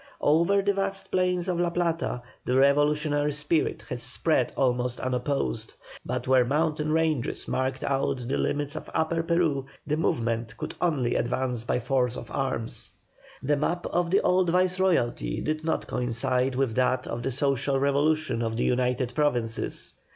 Over the vast plains of La Plata the revolutionary spirit had spread almost unopposed, but where mountain ranges marked out the limits of Upper Peru the movement could only advance by force of arms. The map of the old Viceroyalty did not coincide with that of the social revolution of the United Provinces.